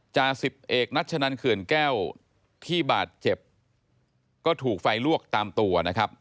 สิบเอกนัชนันเขื่อนแก้วที่บาดเจ็บก็ถูกไฟลวกตามตัวนะครับ